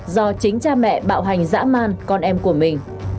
do chính cha mẹ bạo hành dã man con em của mình